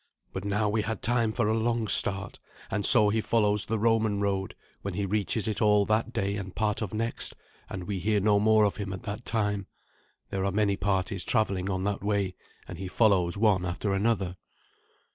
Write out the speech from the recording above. But now we had time for a long start; and so he follows the Roman road when he reaches it all that day and part of next, and we hear no more of him at that time. There are many parties travelling on that way, and he follows one after another.